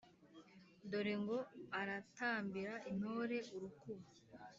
Dore ngo aratambira intore urukubo,